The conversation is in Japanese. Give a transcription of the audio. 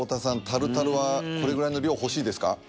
タルタルはこれぐらいの量欲しいですか？